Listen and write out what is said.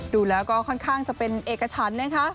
ดูแล้วก็ค่อนข้างจะเป็นเอกฉันนะคะ